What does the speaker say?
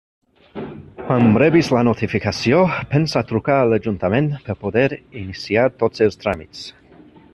Quan rebis la notificació, pensa a trucar a l'ajuntament per poder iniciar tots els tràmits.